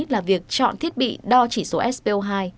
là việc chọn thiết bị đo chỉ số spo hai